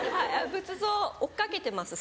仏像を追っ掛けてます